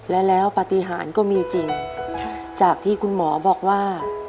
แล้วแล้วปฏิหารก็มีจริงจากที่คุณหมอบอกว่า